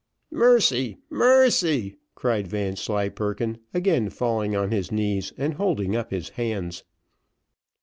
"Mercy, mercy," cried Vanslyperken, again falling on his knees, and holding up his hands.